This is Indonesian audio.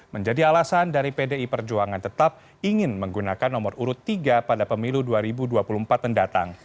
menjadi alasan dari pdi perjuangan tetap ingin menggunakan nomor urut tiga pada pemilu dua ribu dua puluh empat mendatang